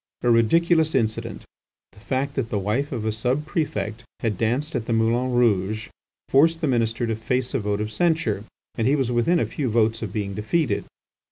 A ridiculous incident, the fact that the wife of a subprefect had danced at the Moulin Rouge, forced the minister to face a vote of censure, and he was within a few votes of being defeated.